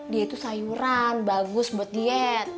dia itu sayuran bagus buat diet